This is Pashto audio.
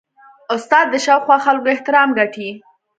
استاد د شاوخوا خلکو احترام ګټي.